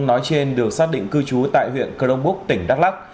nói trên được xác định cư trú tại huyện cơ đông búc tỉnh đắk lắc